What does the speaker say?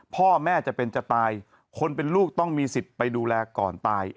พ่อแม่จะเป็นจะตายคนเป็นลูกต้องมีสิทธิ์ไปดูแลก่อนตาย